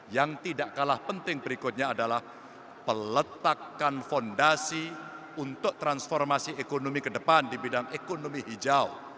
yang tidak kalah penting berikutnya adalah peletakan fondasi untuk transformasi ekonomi ke depan di bidang ekonomi hijau